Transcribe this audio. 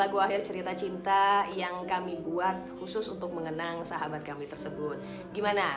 lagu akhir cerita cinta yang kami buat khusus untuk mengenang sahabat kami tersebut gimana